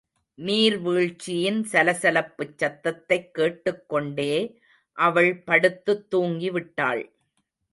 நீர்வீழ்ச்சியின் சலசலப்புச் சத்தத்தைக் கேட்டுக்கொண்டே அவள் படுத்துத் தூங்கி விட்டாள்.